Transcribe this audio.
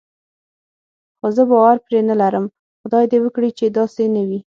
خو زه باور پرې نه لرم، خدای دې وکړي چې داسې نه وي.